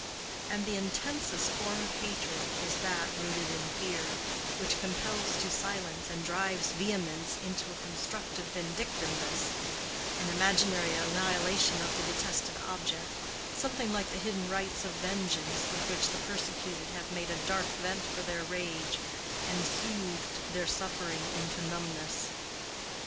And the intensest form of hatred is that rooted in fear, which compels to silence and drives vehemence into a constructive vindictiveness, an imaginary annihilation of the detested object, something like the hidden rites of vengeance with which the persecuted have made a dark vent for their rage, and soothed their suffering into dumbness.